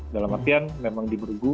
dalam artian memang di bergu